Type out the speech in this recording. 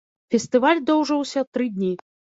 Фестываль доўжыўся тры дні.